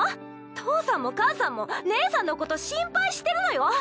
父さんも母さんも姉さんのこと心配してるのよ！